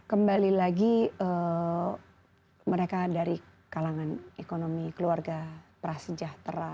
kembali lagi mereka dari kalangan ekonomi keluarga prasejahtera